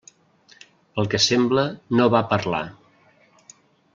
Pel que sembla no va parlar.